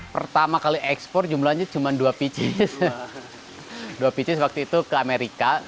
pertama kali ekspor jumlahnya cuma dua pici dua picis waktu itu ke amerika